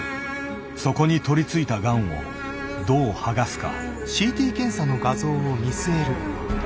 そこに取りついたがんをどう剥がすか。